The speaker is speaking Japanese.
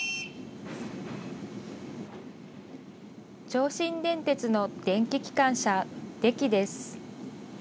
上信電鉄の電気機関車、デキです。